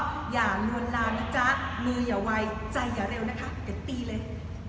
ก็อย่าลืนลามน่ะจ๊ะมืออย่าไวใจอย่าเร็วนะคะก็ตีย์เลย